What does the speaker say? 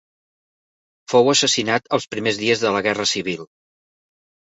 Fou assassinat els primers dies de la Guerra Civil.